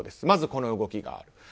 まずこの動きがある。